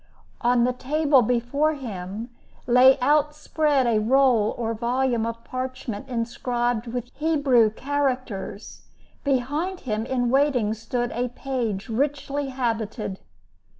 On the table before him lay outspread a roll or volume of parchment inscribed with Hebrew characters; behind him, in waiting, stood a page richly habited.